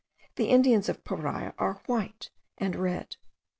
(The Indians of Paria are WHITE and red.)